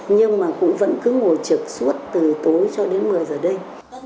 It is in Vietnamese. nhưng mà cũng vẫn cứ ngồi trực suốt từ tối cho đến một mươi giờ đây